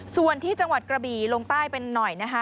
ส่วนที่จังหวัดกระบี่ลงใต้เป็นหน่อยนะคะ